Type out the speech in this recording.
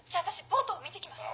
ボートを見て来ます。